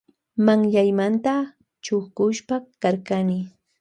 Manllaymanta chukchushpa karkani.